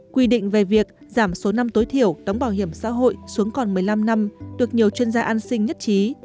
quy định về việc giảm số năm tối thiểu đóng bảo hiểm xã hội xuống còn một mươi năm năm được nhiều chuyên gia an sinh nhất trí